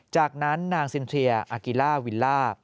จากนั้นนางซินเทียอากิล่าวิลล่า